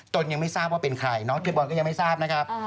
ยังไม่ทราบว่าเป็นใครน้องเปียบอลก็ยังไม่ทราบนะครับ